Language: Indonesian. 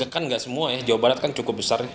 kan nggak semua ya jawa barat kan cukup besar